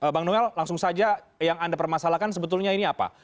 bang noel langsung saja yang anda permasalahkan sebetulnya ini apa